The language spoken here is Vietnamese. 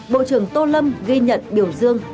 bộ trưởng tô lâm ghi nhận biểu dương